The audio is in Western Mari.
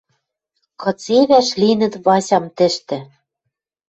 Кыце вӓшлинӹт Васям тӹштӹ!